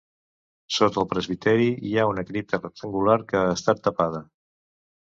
Sota el presbiteri hi ha una cripta rectangular, que ha estat tapada.